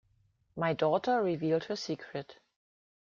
My daughter revealed her secret.